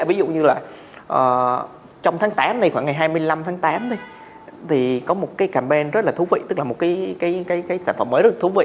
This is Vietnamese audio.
ví dụ như là trong tháng tám này khoảng ngày hai mươi năm tháng tám thì có một cái càm ben rất là thú vị tức là một cái sản phẩm mới rất là thú vị